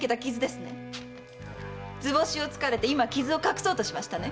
図星をつかれて今傷を隠そうとしましたね。